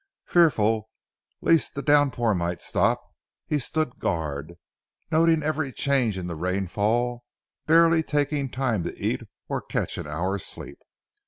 Fearful lest the downpour might stop, he stood guard, noting every change in the rainfall, barely taking time to eat or catch an hour's sleep.